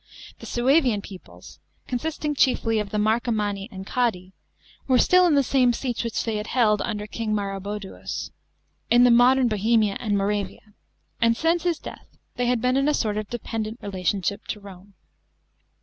The Suevian peoples, consisting chiefly of the Marcomanni and Quadi, were still in the same seats which they held under King Maroboduus, in the modern Bohemia and Moravia ; and since his death they had been in a sort of dependent relation to Rome.